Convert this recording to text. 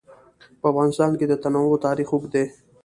په افغانستان کې د تنوع تاریخ اوږد دی.